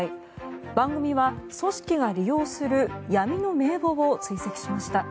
番組は組織が利用する闇の名簿を追跡しました。